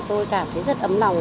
tôi cảm thấy rất ấm lòng